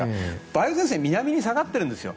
梅雨前線が南に下がっているんですよ。